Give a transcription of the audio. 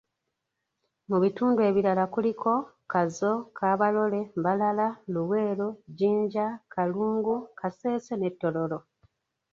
Mu bitundu ebirala kuliko; Kazo, Kabarole, Mbarara, Luweero, Jinja, Kalungu, Kasese ne Tororo.